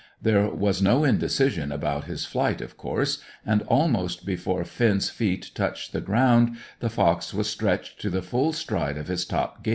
There was no indecision about his flight, of course, and almost before Finn's feet touched the ground, the fox was stretched to the full stride of his top gait.